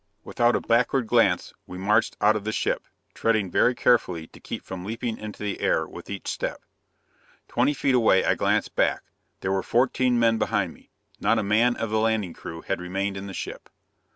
Without a backward glance, we marched out of the ship, treading very carefully to keep from leaping into the air with each step. Twenty feet away, I glanced back. There were fourteen men behind me not a man of the landing crew had remained in the ship!